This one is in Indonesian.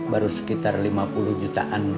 baru sekitar lima puluh jutaan